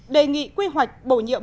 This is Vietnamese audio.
đề nghị quy hoạch bổ nhiệm